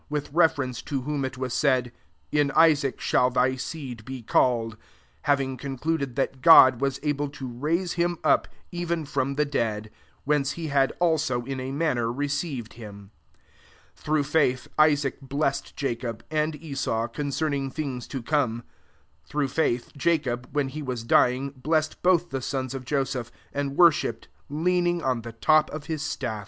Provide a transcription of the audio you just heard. * 18 with reference to whom it was said, ^^n Istfac shall thy seed be called :" 19 having concluded that God was able to raise him up even from the dead ; whence he had also in a manner received him. 20 Through faith, Isaac bles sed Jacob, and Esau, concern ing things to come. £1 Through faith, Jacob, when he was dy ing, blessed both the sons of Joseph ; and worshipped, lean ing on the top of his sti^.